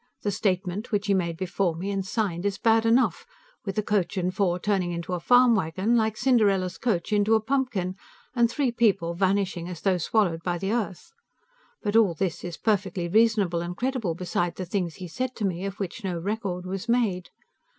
The statement which he made before me, and signed, is bad enough, with a coach and four turning into a farm wagon, like Cinderella's coach into a pumpkin, and three people vanishing as though swallowed by the earth. But all this is perfectly reasonable and credible, beside the things he said to me, of which no record was made.